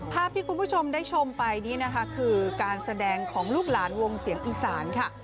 ภาพที่คุณผู้ชมได้ชมไปนี่นะคะคือการแสดงของลูกหลานวงเสียงอีสานค่ะ